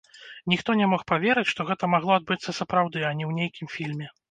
Ніхто не мог паверыць, што гэта магло адбыцца сапраўды, а не ў нейкім фільме.